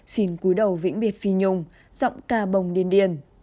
xin cúi đầu vĩnh biệt phi nhung giọng ca bồng điên điên